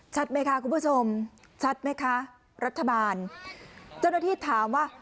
ชัดไหมคะคุณผู้ชมชัดไหมคะรัฐบาลเจ้าหน้าที่ถามว่า